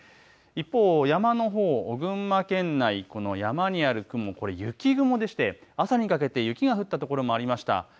一方、山のほう群馬県内の山にある雲、これ雪雲でして朝にかけて雪が降った所もありました。